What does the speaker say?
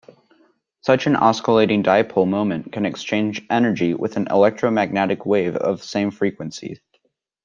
Such an oscillating dipole moment can exchange energy with an electromagnetic wave of same frequency.